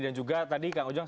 dan juga tadi kang ujang